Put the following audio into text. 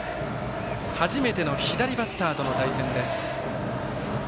初めての左バッターとの対戦です。